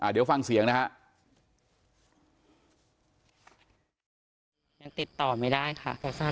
เดี๋ยวฟังเสียงนะฮะ